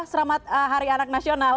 selamat hari anak nasional